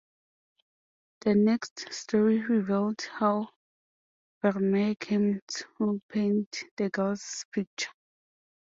The next story revealed how Vermeer came to paint the girl's picture.